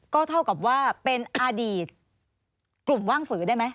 ก็เท่ากับว่าเป็นอดีตกลุ่มว่างฝือได้ไหม